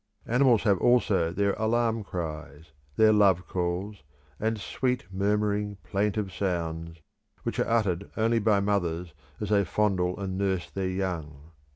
Animals have also their alarm cries, their love calls, and sweet murmuring plaintive sounds, which are uttered only by mothers as they fondle and nurse their young.